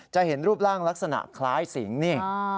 เห็นรูปร่างลักษณะคล้ายสิงนี่